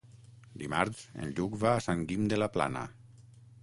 Dimarts en Lluc va a Sant Guim de la Plana.